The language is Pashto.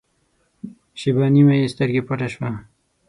شېبه نیمه یې سترګه پټه شوه.